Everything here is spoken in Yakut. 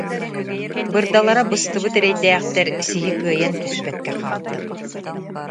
Бырдалара быстыбыт эрэйдээхтэр сиһи кыайан түспэккэ хаалтар